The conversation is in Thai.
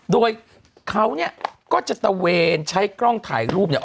โดยเขาเนี่ยก็จะตะเวนใช้กล้องถ่ายรูปเนี่ย